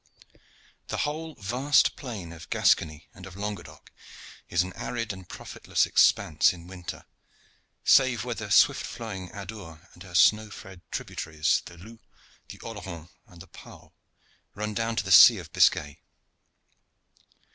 The whole vast plain of Gascony and of Languedoc is an arid and profitless expanse in winter save where the swift flowing Adour and her snow fed tributaries, the Louts, the Oloron and the Pau, run down to the sea of Biscay.